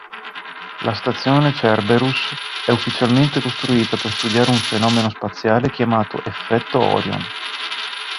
La stazione "Cerberus" è ufficialmente costruita per studiare un fenomeno spaziale chiamato "effetto Orion".